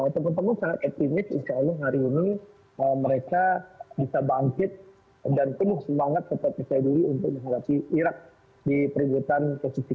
teman teman sangat aktif insya allah hari ini mereka bisa bangkit dan penuh semangat seperti saya dulu untuk menghargai irak di peringkatan ke enam ke tujuh